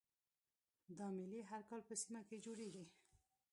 دا میلې هر کال په سیمه کې جوړیږي